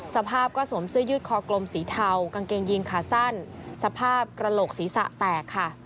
สภาพก็สวมเสื้อยืดคอกลมสีเทากางเกงยีนขาสั้นสภาพกระโหลกศีรษะแตกค่ะ